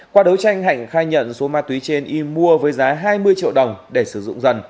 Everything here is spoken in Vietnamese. qua đấu tranh hạnh khai nhận số ma túy đá